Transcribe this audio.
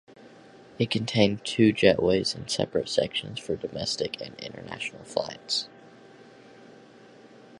It contained two jetways and separate sections for domestic and international flights.